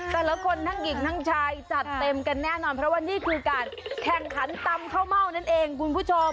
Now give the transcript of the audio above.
แต่ละคนทั้งหญิงทั้งชายจัดเต็มกันแน่นอนเพราะว่านี่คือการแข่งขันตำข้าวเม่านั่นเองคุณผู้ชม